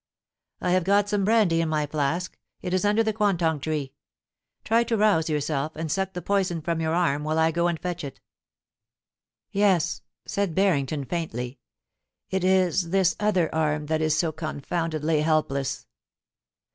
* I have got some brandy in my flask ; it is under the quantong tree. Try to rouse yourself, and suck the poison from your arm while I go and fetch it' IN THE SCRUB, 201 Yes/ said Barrington, faintly. * It is this other arm that is so confoundedly helpless.'